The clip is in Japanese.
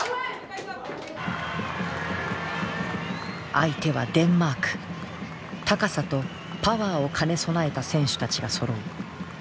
相手は高さとパワーを兼ね備えた選手たちがそろう。